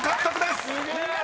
すげえ！